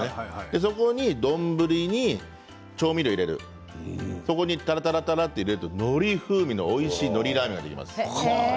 そこに丼に調味料を入れるそこにぱらぱらと入れるとのり風味のおいしいのりラーメンができます。